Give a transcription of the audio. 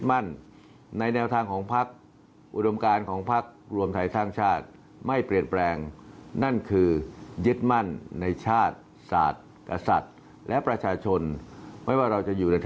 ไม่ว่าเราจะอยู่ในฐานะ